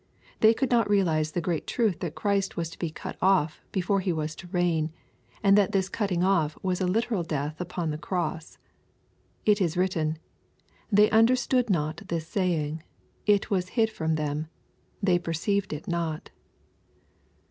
They could not realize the great truth that Christ was to be "cut off" before He was to reign, and that this cutting off was a literal death upon the cross. It is written, " They understood not this saying," —" it was hid from them," —" they perceived it not."